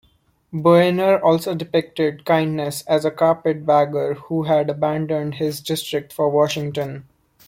Boehner also depicted Kindness as a carpetbagger who had abandoned his district for Washington.